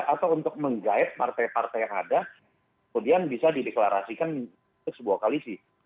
atau untuk menggayat partai partai yang ada kemudian bisa dideklarasikan sebuah kali sih